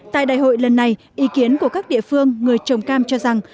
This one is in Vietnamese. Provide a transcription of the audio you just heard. tại đại hội lần này ý kiến của các địa phương người trồng cam cho rằng